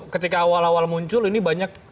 ketika awal awal muncul ini banyak